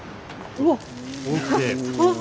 うわっ！